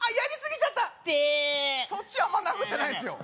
そっちあんま殴ってないっすよ